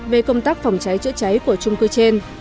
về công tác phòng cháy chữa cháy của trung cư trên